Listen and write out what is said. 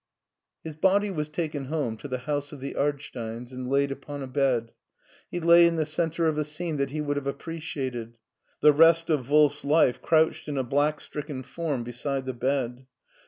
His body was taken home to the house of the Ard steins and laid upon a bed. He lay in the center of a scene that he would have appreciated. The rest of Wolf's life crouched in a black stricken form beside the bed.